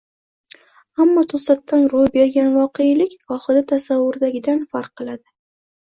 Ammo to‘satdan ro‘y bergan voqelik gohida tasavvurdagidan farq qiladi.